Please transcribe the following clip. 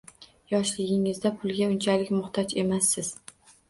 Yoshligingizda pulga unchalik muhtoj emassiz.